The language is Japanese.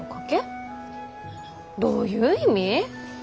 どういう意味？